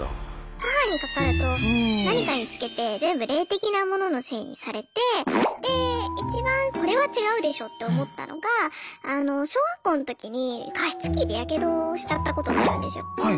母にかかると何かにつけて全部霊的なもののせいにされてで一番これは違うでしょって思ったのが小学校の時に加湿器でヤケドをしちゃったことがあるんですよ。